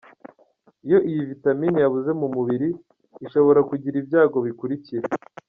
Iyo iyi vitamin yabuze mu mubiri ushobora kugira ibyago bikurikira:.